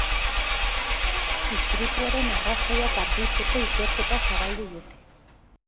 Istripuaren arrazoiak argitzeko ikerketa zabaldu dute.